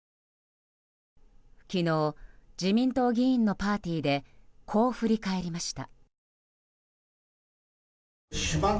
昨日、自民党議員のパーティーでこう振り返りました。